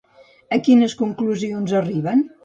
A quines conclusions arriben?